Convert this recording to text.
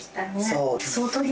そう。